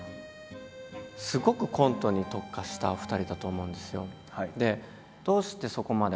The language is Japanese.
すごくコントに特化したお二人だと思うんですよ。